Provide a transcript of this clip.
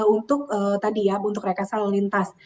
untuk tadi ya untuk rekayasa lalu lintas